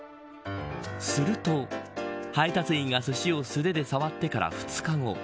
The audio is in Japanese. すると、配達員がすしを素手で触ってから２日後。